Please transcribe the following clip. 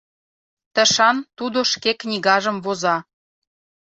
Тышан тудо шке книгажым воза.